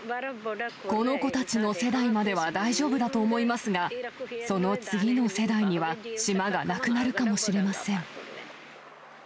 この子たちの世代までは大丈夫だと思いますが、その次の世代には島がなくなるかもしれません。